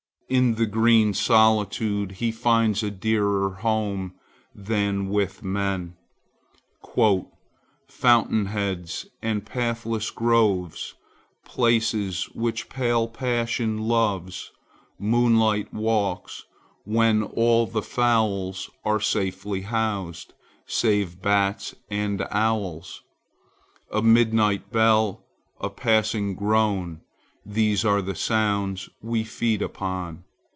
In the green solitude he finds a dearer home than with men:— "Fountain heads and pathless groves, Places which pale passion loves, Moonlight walks, when all the fowls Are safely housed, save bats and owls, A midnight bell, a passing groan,— These are the sounds we feed upon."